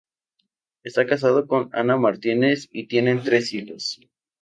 Está casado con Ana Martínez y tienen tres hijos.